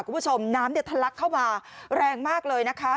คุณผู้ชมน้ำเนี่ยทะลักเข้ามาแรงมากเลยนะคะ